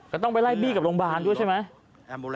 ก็ต้องไปไล่บี้กับโรงพยาบาลด้วยใช่ไหม